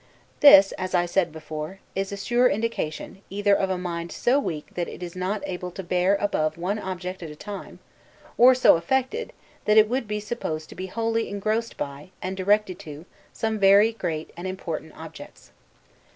This (as I said before) is a sure indication, either of a mind so weak that it is not able to bear above one object at a time; or so affected, that it would be supposed to be wholly engrossed by, and directed to, some very great and important objects.